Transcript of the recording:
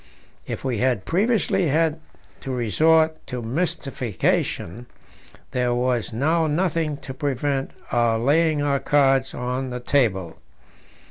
If we had previously had to resort to mystification, there was now nothing to prevent our laying our cards on the table.